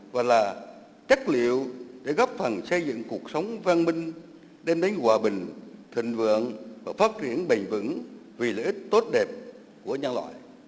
và là chất liệu để góp phần xây dựng cuộc sống văn minh đem đến hòa bình thịnh vượng và phát triển bền vững vì lợi ích tốt đẹp của nhân loại